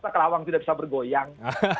karena korawan sudah bisa bergoyang